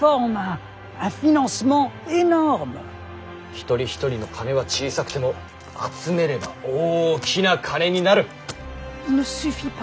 一人一人の金は小さくても集めれば大きな金になる。